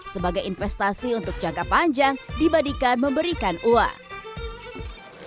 sebagai investasi untuk jangka panjang dibandingkan memberikan uang